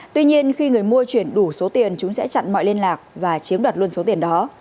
tuy nhiên khi người mua chuyển đủ số tiền chúng sẽ chặn mọi liên lạc và chiếm đoạt luôn số tiền đó